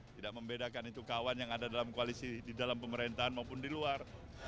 tidak membedakan itu kawan yang ada dalam koalisi di dalam pemerintahan maupun di luar